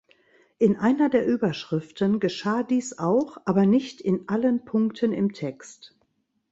In einer der Überschriften geschah dies auch, aber nicht in allen Punkten im Text.